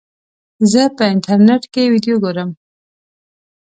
زه په انټرنیټ کې ویډیو ګورم.